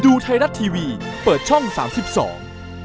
ดูไทยรัฐทีวีเปิดช่อง๓๒